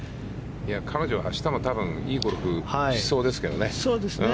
彼女は明日もいいゴルフをしそうですけどね。